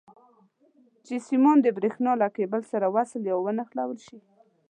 چې سیمان د برېښنا له کیبل سره وصل یا ونښلول شي.